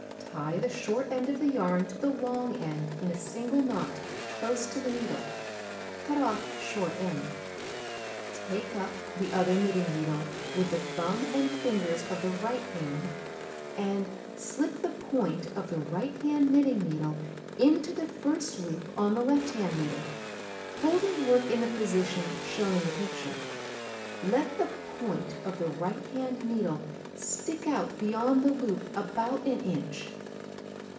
Tie the short end of yarn to the long end in a single knot close to the needle. Cut off short end. Cut 1 Take up the other knitting needle with the thumb and fingers of the right hand, and slip the point of the right hand knitting needle into the first loop on the left hand needle, holding work in the position shown in the picture. Let the point of tlie right hand needle stick out beyond the loop about an inch.